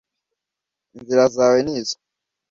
inzira zawe ni izo